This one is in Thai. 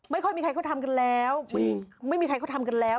ไม่ค่อยมีใครเขาทำกันแล้ว